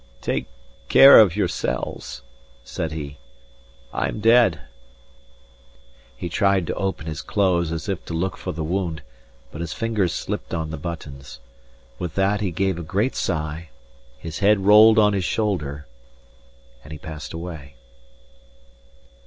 "Take care of yourselves," says he. "I am dead." He tried to open his clothes as if to look for the wound, but his fingers slipped on the buttons. With that he gave a great sigh, his head rolled on his shoulder, and he passed away.